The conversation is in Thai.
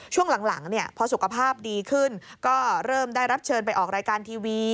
ช่วงหลังพอสุขภาพดีขึ้นก็เริ่มได้รับเชิญไปออกรายการทีวี